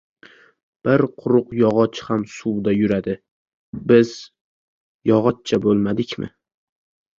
-Bir quruq yog‘och ham suvda yuradi. Biz yog‘ochcha bo‘lmadikmi?!